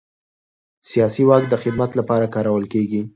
سیاسي واک د خدمت لپاره کارول کېږي